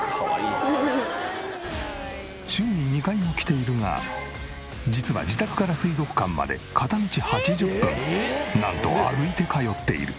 週に２回も来ているが実は自宅から水族館まで片道８０分なんと歩いて通っている。